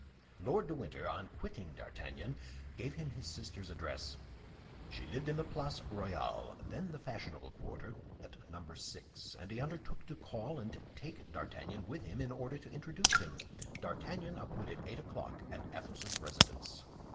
Lord de Winter, on quitting D'Artagnan, gave him his sister's address. She lived in the Place Royale—then the fashionable quarter—at Number 6, and he undertook to call and take D'Artagnan with him in order to introduce him. D'Artagnan appointed eight o'clock at Athos's residence.